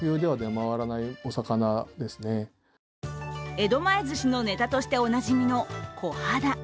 江戸前寿司のネタとしておなじみのコハダ。